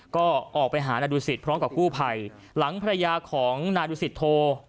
ก็ออกไปหานาดูสิตพร้อมกับกู้ภัยหลังภรรยาของนายดูสิตโท